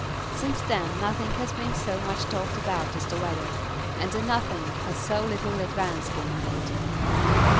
Since then, nothing has been so much talked about as the Weather, and in nothing has so little advance been made.